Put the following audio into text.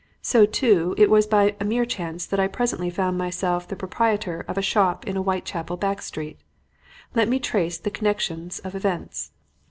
So, too, it was by a mere chance that I presently found myself the proprietor of a shop in a Whitechapel back street. "Let me trace the connections of events.